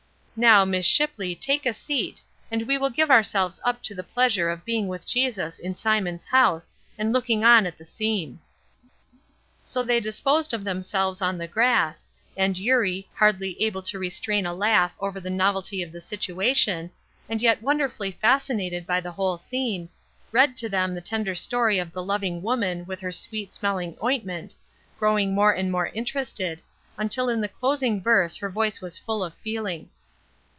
Now, Miss Shipley, take a seat, and we will give ourselves up to the pleasure of being with Jesus in Simon's house, and looking on at the scene." So they disposed of themselves on the grass, and Eurie, hardly able to restrain a laugh over the novelty of the situation, and yet wonderfully fascinated by the whole scene, read to them the tender story of the loving woman with her sweet smelling ointment, growing more and more interested, until in the closing verse her voice was full of feeling.